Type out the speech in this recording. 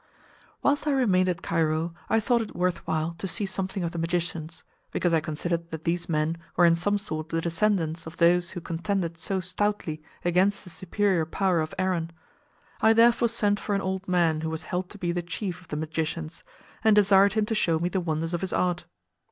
Whilst I remained at Cairo I thought it worth while to see something of the magicians, because I considered that these men were in some sort the descendants of those who contended so stoutly against the superior power of Aaron. I therefore sent for an old man who was held to be the chief of the magicians, and desired him to show me the wonders of his art.